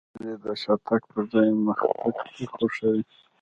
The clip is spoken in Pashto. هیلۍ د شاتګ پر ځای مخکې تګ خوښوي